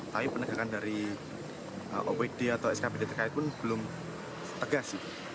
tapi penegakan dari oopd atau skpd terkait pun belum tegas sih